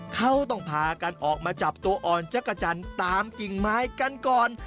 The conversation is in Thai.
เขาต้องพากันออกมาจับตัวอ่อนจักรจันทร์ตามกิ่งไม้กันก่อน